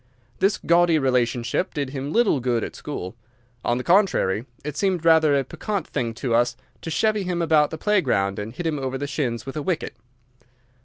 This gaudy relationship did him little good at school. On the contrary, it seemed rather a piquant thing to us to chevy him about the playground and hit him over the shins with a wicket.